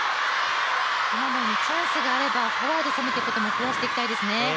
今のように、チャンスがあれば、フォアで攻めていくことも増やしていきたいですね。